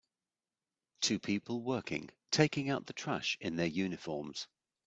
Two people working taking out the trash in their uniforms.